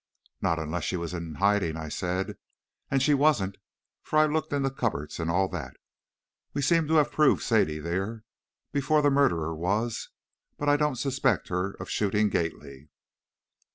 "Not unless she was in hiding," I said, "and she wasn't, for I looked in the cupboards and all that. We seem to have proved Sadie there before the murderer was, but I don't suspect her of shooting Gately."